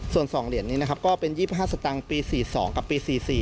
ส่วน๒เหรียญนี้นะครับก็เป็น๒๕สตางค์ปี๔๒กับปี๔๔